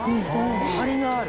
張りがある。